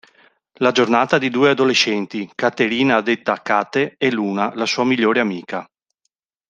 La giornata di due adolescenti, Caterina detta "Cate" e Luna, la sua migliore amica.